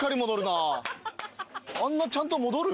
あんなちゃんと戻る？